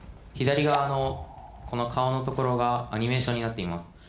左側のこの顔のところがアニメーションになっています。